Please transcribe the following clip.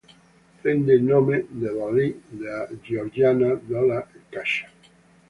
Prende il nome da Dali, dea georgiana della caccia.